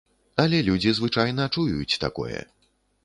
Але людзі звычайна чуюць такое.